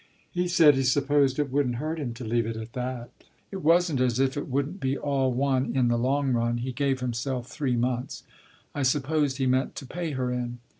He said he supposed it wouldn't hurt him to leave it at that. It wasn't as if it wouldn't be all one in the long run. He gave himself three months. I supposed he meant to pay her in.